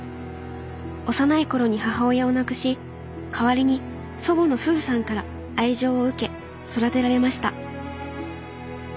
幼い頃に母親を亡くし代わりに祖母のすずさんから愛情を受け育てられました。